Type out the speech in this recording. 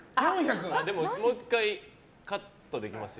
でももう１回カットできますよ。